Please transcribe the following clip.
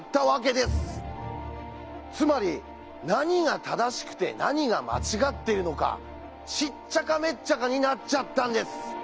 つまり何が正しくて何が間違っているのかしっちゃかめっちゃかになっちゃったんです！